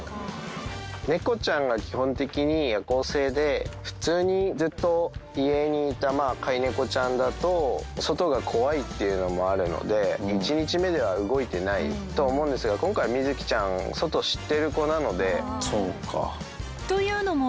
猫ちゃんは基本的に夜行性で、普通にずっと家にいた飼い猫ちゃんだと、外が怖いっていうのもあるので、１日目では動いてないと思うんですが、今回、みづきちゃん、そうか。というのも。